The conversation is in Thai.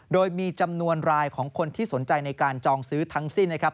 โดยมีจำนวนรายของคนที่สนใจในการจองซื้อทั้งสิ้นนะครับ